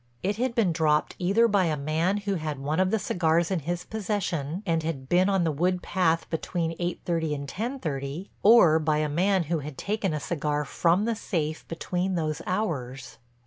It had been dropped either by a man who had one of the cigars in his possession and had been on the wood path between eight thirty and ten thirty, or by a man who had taken a cigar from the safe between those hours.